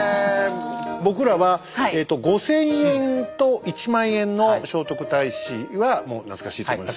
僕らは五千円と一万円の聖徳太子はもう懐かしいと思います。